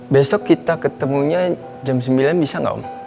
besok kita ketemunya jam sembilan bisa nggak om